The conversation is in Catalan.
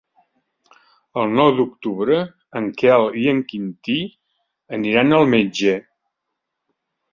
El nou d'octubre en Quel i en Quintí aniran al metge.